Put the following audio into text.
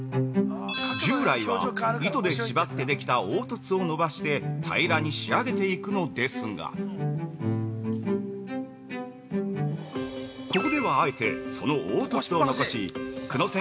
◆従来は、糸で縛ってできた凹凸を伸ばして平らに仕上げていくのですがここではあえてその凹凸を残し、久野染